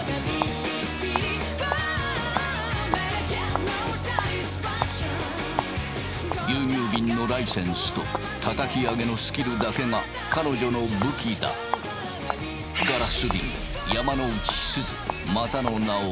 牛乳びんのライセンスとたたき上げのスキルだけが彼女の武器だ。